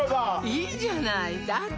いいじゃないだって